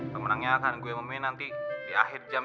pemenangnya akan gue memain nanti di akhir jam